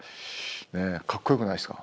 かっこよくないですか？